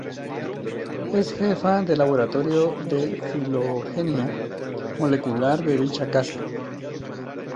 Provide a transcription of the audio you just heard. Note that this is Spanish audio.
Es Jefa del Laboratorio de filogenia molecular de dicha casa.